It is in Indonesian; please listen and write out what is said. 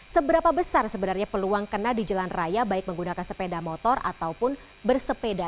seberapa besar sebenarnya peluang kena di jalan raya baik menggunakan sepeda motor ataupun bersepeda